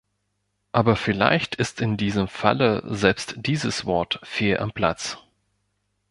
Aber vielleicht ist in diesem Falle selbst dieses Wort fehl am Platz.